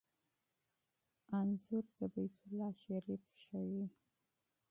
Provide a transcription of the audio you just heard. انځور د بیت الله شریف ښيي.